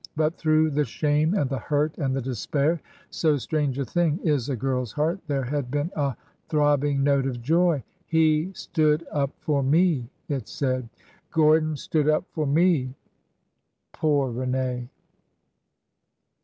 But through the shame and the hurt and the despair— so strange a thing is a girl's heart!— there had been a throb bing note of joy. He stood up for me !" it said. '' Gordon stood up for me!" Poor Rene !